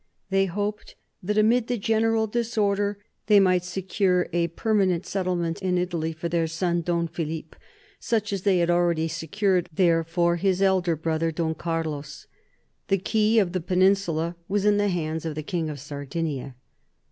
They hoped that amid the general disorder they might secure a permanent settlement in Italy for their son Don Philip, such as they had already secured there for his elder brother Don Carlos. The key of the peninsula was in the hands of the King of Sardinia.